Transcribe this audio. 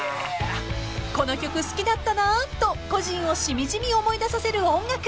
［この曲好きだったなぁと故人をしみじみ思い出させる音楽］